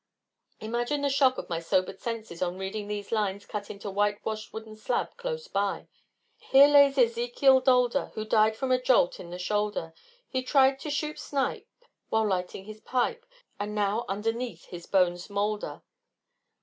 Imagine the shock to my sobered senses on reading these lines cut on a white washed wooden slab, close by: "Here lays Ezekiel Dolder, Who died from a jolt in the shoulder; He tried to shoot snipe While lighting his pipe, And now underneath his bones moulder."